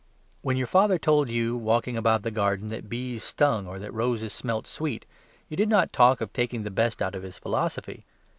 When your father told you, walking about the garden, that bees stung or that roses smelt sweet, you did not talk of taking the best out of his philosophy.